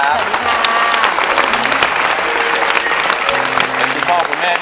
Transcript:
แก้มขอมาสู้เพื่อกล่องเสียงให้กับคุณพ่อใหม่นะครับ